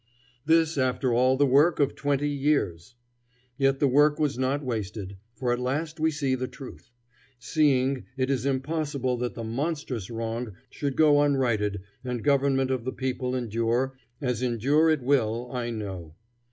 This after all the work of twenty years! Yet the work was not wasted, for at last we see the truth. Seeing, it is impossible that the monstrous wrong should go unrighted and government of the people endure, as endure it will, I know.